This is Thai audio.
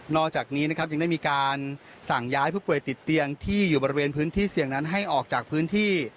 อกจากนี้นะครับยังได้มีการสั่งย้ายผู้ป่วยติดเตียงที่อยู่บริเวณพื้นที่เสี่ยงนั้นให้ออกจากพื้นที่